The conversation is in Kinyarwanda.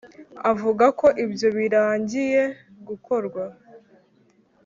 Avuga ko ibyo birangiye gukorwa